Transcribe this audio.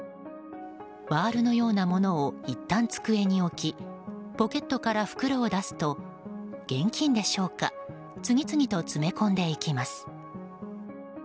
バールのようなものをいったん机に置きポケットから袋を出すと現金でしょうか次々と詰め込んでいきます。